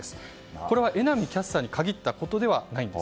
これは榎並キャスターに限ったことではないんです。